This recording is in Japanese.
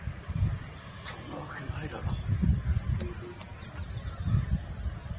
そんなわけないだろう。